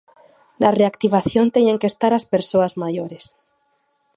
Na reactivación teñen que estar as persoas maiores.